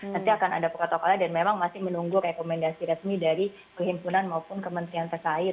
nanti akan ada protokolnya dan memang masih menunggu rekomendasi resmi dari perhimpunan maupun kementerian terkait